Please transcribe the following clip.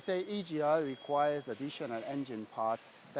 sebenarnya egr membutuhkan bahan mesin tambahan